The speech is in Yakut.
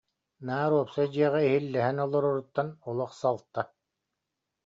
Наар уопсай дьиэҕэ иһиллэһэн олороруттан олох салта